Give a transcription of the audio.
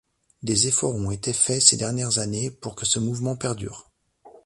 Des efforts ont été faits ces dernières années pour que ce mouvement perdure.